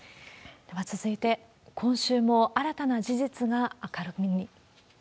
では続いて、今週も新たな事実が明るみに。